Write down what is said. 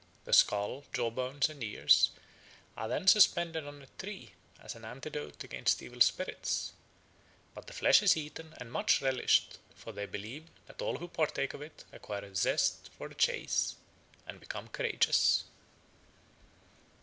"The skull, jaw bones, and ears are then suspended on a tree, as an antidote against evil spirits; but the flesh is eaten and much relished, for they believe that all who partake of it acquire a zest for the chase, and become courageous."